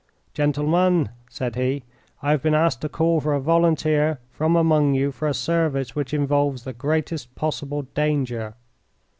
"Gentlemen," said he, "I have been asked to call for a volunteer from among you for a service which involves the greatest possible danger.